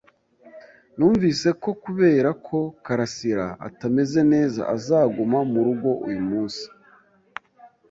Numvise ko kubera ko karasira atameze neza azaguma murugo uyu munsi.